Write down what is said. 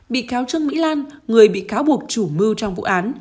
bị cáo trương mỹ lan người bị cáo buộc chủ mưu trong vụ án